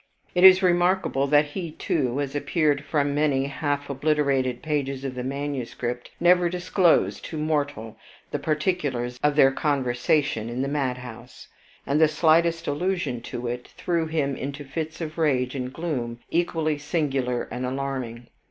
It is remarkable, that he too, as appeared from many half obliterated pages of the manuscript, never disclosed to mortal the particulars of their conversation in the madhouse; and the slightest allusion to it threw him into fits of rage and gloom equally singular and alarming.